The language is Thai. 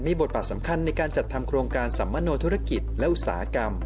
มีบทบาทสำคัญในการจัดทำโครงการสัมมโนธุรกิจและอุตสาหกรรม